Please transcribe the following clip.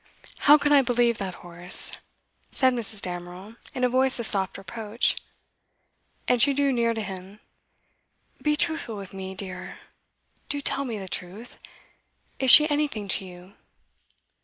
'How can I believe that, Horace?' said Mrs. Damerel, in a voice of soft reproach. And she drew near to him. 'Be truthful with me, dear. Do tell me the truth! Is she anything to you?